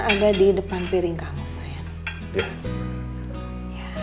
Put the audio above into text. ada di depan piring kamu saya